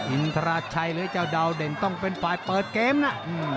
อินทราชัยหรือเจ้าดาวเด่นต้องเป็นฝ่ายเปิดเกมนะ